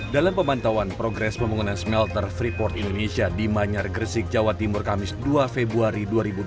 dalam pemantauan progres pembangunan smelter freeport indonesia di manyar gresik jawa timur kamis dua februari dua ribu dua puluh